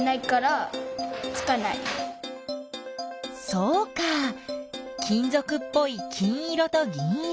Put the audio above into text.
そうか金ぞくっぽい金色と銀色。